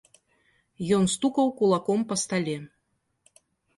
Ён стукаў кулаком па стале.